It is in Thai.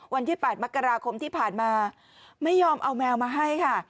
วันที่๘มกราคมที่ผ่านมาไม่ยอมเอาแมวมาให้ค่ะ